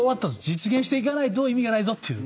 実現していかないと意味がないぞという。